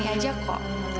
biaya ini udah terbaik